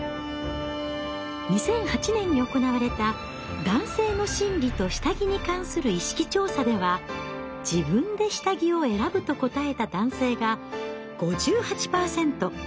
２００８年に行われた「男性の心理と下着に関する意識調査」では「自分で下着を選ぶ」と答えた男性が５８％。